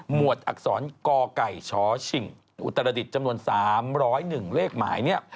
หมวดอักษรกไก่ชชิงอุตรฐฤษจำนวน๓๐๑เลขหมาย